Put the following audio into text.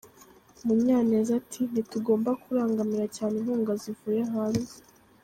Munyaneza ati “Ntitugomba kurangamira cyane inkunga zivuye hanze.